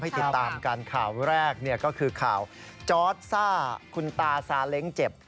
ติดตามกันข่าวแรกก็คือข่าวจอร์สซ่าคุณตาซาเล้งเจ็บ